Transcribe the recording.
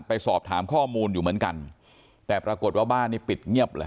ไปสอบถามข้อมูลอยู่เหมือนกันแต่ปรากฏว่าบ้านนี้ปิดเงียบเลย